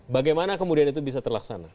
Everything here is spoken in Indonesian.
bagaimana kemudian itu bisa terlaksana